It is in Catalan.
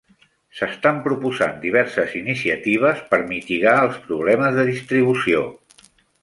S'estan proposant diverses iniciatives per mitigar els problemes de distribució.